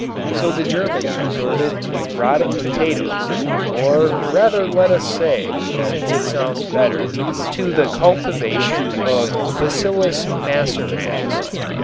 So the Germans resorted to rotting potatoes or rather let us say, since it sounds better to the cultivation of Bacillus macerans.